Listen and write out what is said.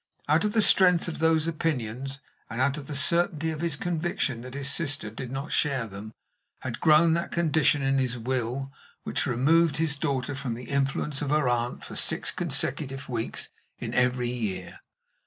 Out of the strength of those opinions, and out of the certainty of his conviction that his sister did not share them, had grown that condition in his will which removed his daughter from the influence of her aunt for six consecutive weeks in every year.